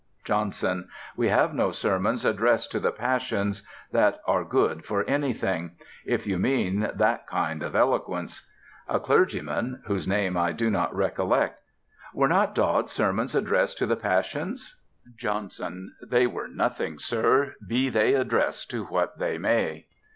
JOHNSON: We have no sermons addressed to the passions, that are good for anything; if you mean that kind of eloquence. A CLERGYMAN, whose name I do not recollect: Were not Dodd's sermons addressed to the passions? JOHNSON: They were nothing, Sir, be they addressed to what they may."